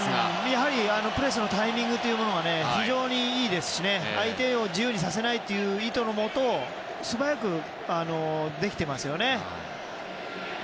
やはりプレスのタイミングが非常にいいですし相手を自由にさせない意図のもと素早くできていますね。